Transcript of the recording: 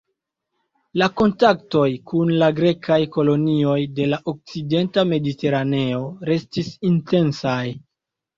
La kontaktoj kun la grekaj kolonioj de la okcidenta mediteraneo restis intensaj.